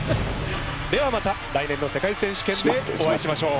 ではまた来年の世界選手権でお会いしましょう。